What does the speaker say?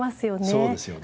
そうですよね。